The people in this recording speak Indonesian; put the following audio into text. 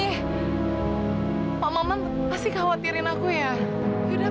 pak maman pak maman sika pak maman pak maman ngapain disini pak maman pak maman ngapain disini